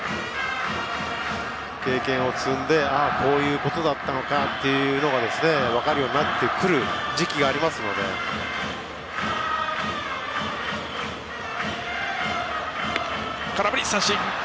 経験を積んでこういうことだったのかというのが分かるようになってくる時期が空振り三振。